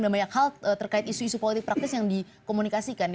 dan banyak hal terkait isu isu politik praktis yang dikomunikasikan